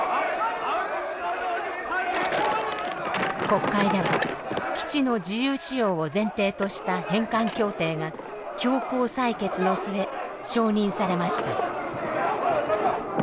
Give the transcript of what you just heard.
国会では基地の自由使用を前提とした返還協定が強行採決の末承認されました。